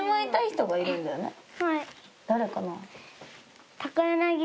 誰かな？